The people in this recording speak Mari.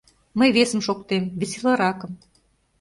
Мый весым шоктем, веселаракым.